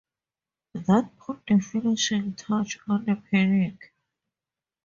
That put the finishing touch on the panic.